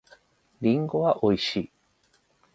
りんごは美味しい。